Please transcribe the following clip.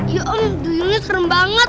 ya om duyungnya serem banget